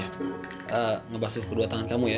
eh ngebasu kedua tangan kamu ya